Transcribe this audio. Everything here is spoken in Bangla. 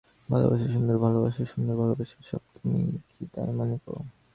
ভালোবাসা সুন্দর ভালোবাসা সুন্দর ভালোবাসাই সব তুমিও কি তাই মনে করো?